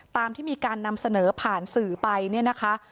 ตามที่มีการนำเสนอผ่านสื่อไปเนี่ยนะคะ